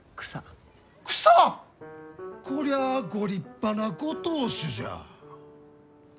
こりゃあご立派なご当主じゃ。